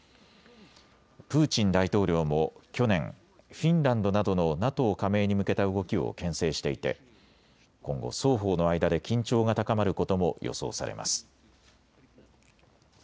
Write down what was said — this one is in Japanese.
プーチン大統領も去年、フィンランドなどのＮＡＴＯ加盟に向けた動きをけん制していて今後、双方の間で緊張が高まることも予想されます。